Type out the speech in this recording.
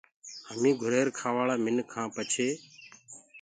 هميٚنٚ گُھرير کآواݪآ مِنک هآن پڇي